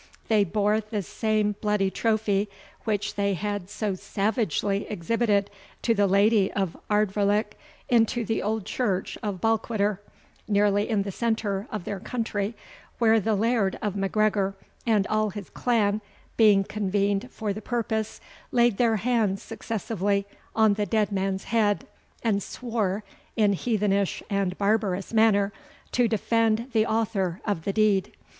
They bore the same bloody trophy, which they had so savagely exhibited to the lady of Ardvoirlich, into the old church of Balquidder, nearly in the centre of their country, where the Laird of MacGregor and all his clan being convened for the purpose, laid their hands successively on the dead man's head, and swore, in heathenish and barbarous manner, to defend the author of the deed.